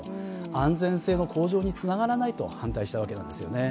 安全性の向上につながらないと反対したわけなんですね。